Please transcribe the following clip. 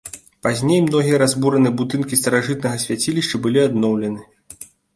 Пазней многія разбураныя будынкі старажытнага свяцілішча былі адноўлены.